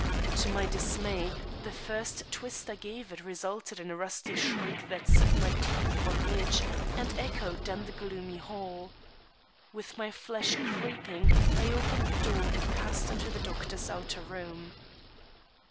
To my dismay, the first twist I gave it resulted in a rusty shriek that set my teeth on edge, and echoed down the gloomy hall. With my flesh creeping, I opened the door and passed into the doctor's outer room.